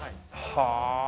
はあ。